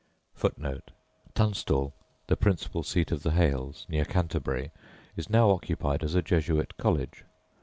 [Footnote 1: The principal seat of the Hales, near Canterbury, is now occupied as a Jesuit College.